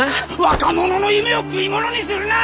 若者の夢を食い物にするな！！